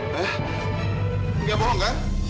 kamu tidak bohong